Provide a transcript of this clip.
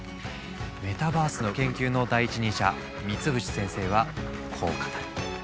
メタバースの研究の第一人者三淵先生はこう語る。